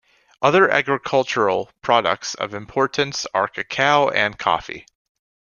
Other agricultural products of importance are cacao and coffee.